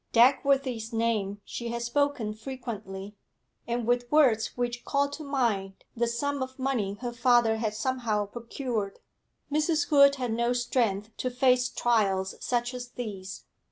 Dagworthy's name she had spoken frequently, and with words which called to mind the sum of money her father had somehow procured. Mrs. Hood had no strength to face trials such as these.